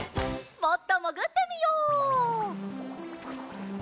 もっともぐってみよう。